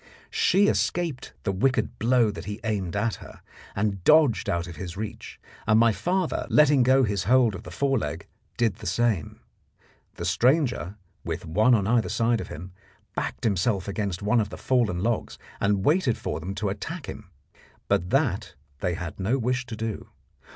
She escaped the wicked blow that he aimed at her, and dodged out of his reach, and my father, letting go his hold of the fore leg, did the same. The stranger, with one on either side of him, backed himself against one of the fallen logs and waited for them to attack him. But that they had no wish to do.